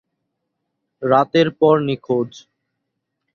রাতের পর নিখোঁজ।